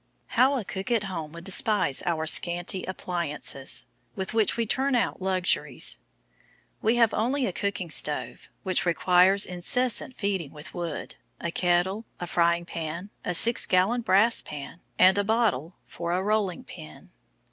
How a cook at home would despise our scanty appliances, with which we turn out luxuries. We have only a cooking stove, which requires incessant feeding with wood, a kettle, a frying pan, a six gallon brass pan, and a bottle for a rolling pin.